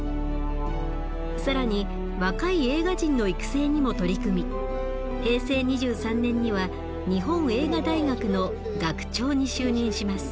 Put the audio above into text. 更に若い映画人の育成にも取り組み平成２３年には日本映画大学の学長に就任します。